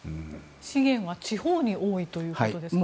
資源は地方に多いということですか。